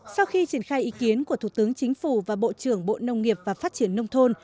sau khi triển khai ý kiến của thủ tướng chính phủ và bộ trưởng bộ nông nghiệp và phát triển nông thôn